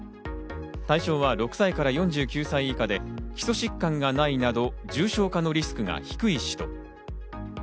対象は６歳から４９歳以下で、基礎疾患がないなど重症化のリスクが低い人。